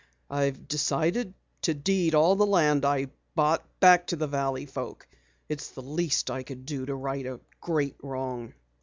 I've decided to deed all the land I bought back to the valley folk. It's the least I can do to right a great wrong."